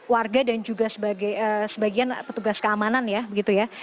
warga dan juga sebagian petugas keamanan ya begitu ya